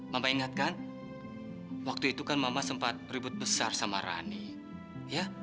mama ingatkan waktu itu kan mama sempat ribut besar sama rani ya